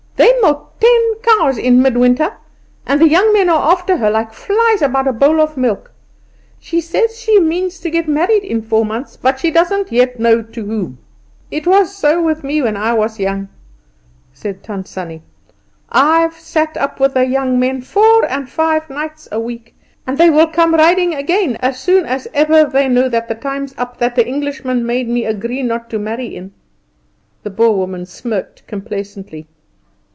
They milk ten cows in mid winter, and the young men are after her like flies about a bowl of milk. She says she means to get married in four months, but she doesn't yet know to whom. It was so with me when I was young," said Tant Sannie. "I've sat up with the young men four and five nights a week. And they will come riding again, as soon as ever they know that the time's up that the Englishman made me agree not to marry in." The Boer woman smirked complacently.